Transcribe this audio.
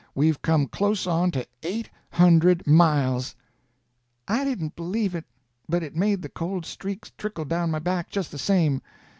We've come close on to eight hundred miles." I didn't believe it, but it made the cold streaks trickle down my back just the same.